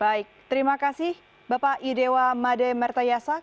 baik terima kasih bapak idewa made mertayasa